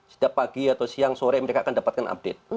setiap pagi atau siang sore mereka akan dapatkan update